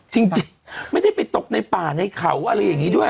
จริงไม่ได้ไปตกในป่าในเขาอะไรอย่างนี้ด้วย